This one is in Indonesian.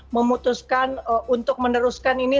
memutuskan untuk meneruskan ini